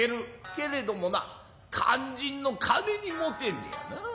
けれどもな肝心の金にもてんねやな。